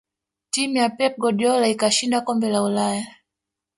timu ya pep guardiola ikashinda kombe la ulaya